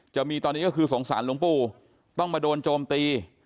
จะมีตอนนี้ก็คือสงสารหลวงปู่ต้องมาโดนโจมตี